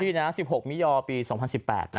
ดูวันที่นะ๑๖มิยปี๒๐๑๘นะ